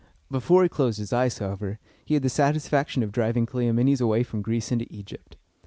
Before he closed his eyes, however, he had the satisfaction of driving Cleomenes away from Greece into Egypt.